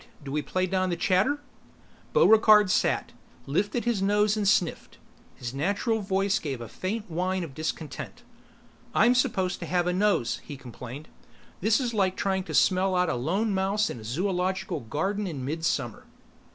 Do we play down the chatter?" Buregarde sat, lifted his nose and sniffed. His natural voice gave a faint whine of discontent. "I'm supposed to have a nose," he complained. "This is like trying to smell out a lone mouse in a zoological garden in midsummer."